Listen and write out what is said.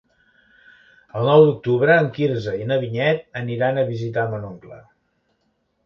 El nou d'octubre en Quirze i na Vinyet aniran a visitar mon oncle.